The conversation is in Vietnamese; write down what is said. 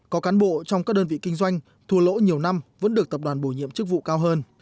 có cán bộ trong các đơn vị kinh doanh thua lỗ nhiều năm vẫn được tập đoàn bổ nhiệm chức vụ cao hơn